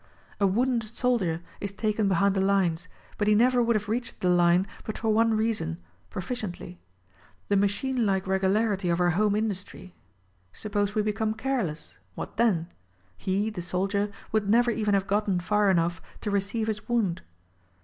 A wounded soldier is taken behind the lines ; but he never would have reached the line but for one reason — proficiently; the machine like regularity of our home industry. Suppose we become careless; what then? He, the soldier, would nev^er even have gotten far enough to receive his wound.